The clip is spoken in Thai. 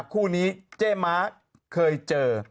คู่นี้เจ๊ม้าเคยเจอ